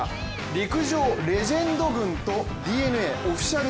陸上レジェンド軍とＤｅＮＡオフィシャル